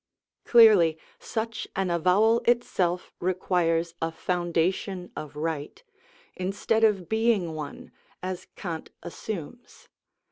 Clearly such an avowal itself requires a foundation of right, instead of being one, as Kant assumes.